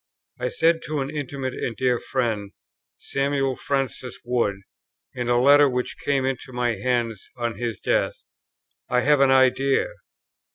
I said to an intimate and dear friend, Samuel Francis Wood, in a letter which came into my hands on his death. "I have an idea.